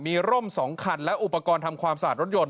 มีร่ม๒คันและอุปกรณ์ทำความสะอาดรถยนต